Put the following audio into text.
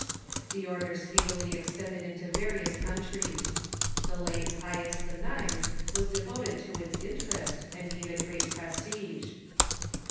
The order speedily ex tended into various countries. The late Pius IX. was devoted to its interests, and gave it great prestige.